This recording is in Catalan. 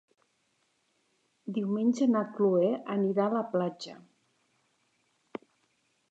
Diumenge na Cloè anirà a la platja.